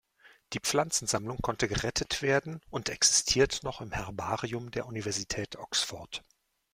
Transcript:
Die Pflanzensammlung konnte gerettet werden und existiert noch im Herbarium der Universität Oxford.